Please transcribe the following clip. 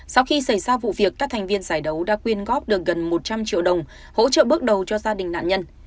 sau khi xảy ra vụ việc các thành viên giải đấu đã quyên góp được gần một trăm linh triệu đồng hỗ trợ bước đầu cho gia đình nạn nhân